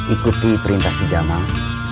ikuti perintah si jamal